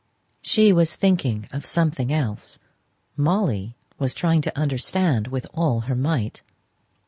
She was thinking of something else; Molly was trying to understand with all her might.